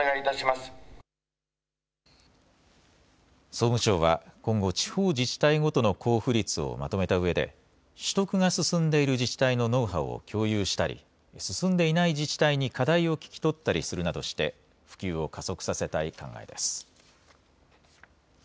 総務省は今後、地方自治体ごとの交付率をまとめたうえで取得が進んでいる自治体のノウハウを共有したり進んでいない自治体に課題を聞き取ったりするなどして普及を加速させたい考えです。